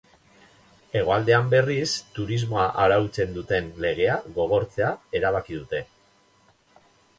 Hegoaldean, berriz, turismoa arautzen duten legea gogortzea erabaki dute.